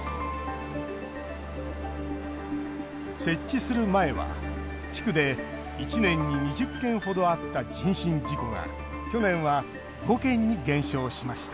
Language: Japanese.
設置する前は、地区で１年に２０件ほどあった人身事故が去年は５件に減少しました